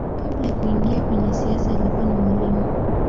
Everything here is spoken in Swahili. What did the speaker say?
Kabla ya kuingia kwenye siasa alikuwa ni mwalimu.